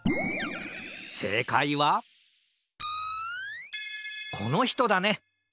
せいかいはこのひとだね！